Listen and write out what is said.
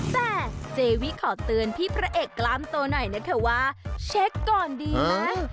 แต่เจวีขอเตือนพี่พระเอกกล้ามโตหน่อยนะคะว่าเช็คก่อนดีมั้ง